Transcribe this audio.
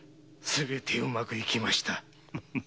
すべてうまくいきました。